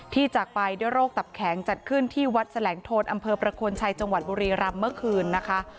จากไปด้วยโรคตับแข็งจัดขึ้นที่วัดแสลงโทนอำเภอประโคนชัยจังหวัดบุรีรำเมื่อคืนนะคะ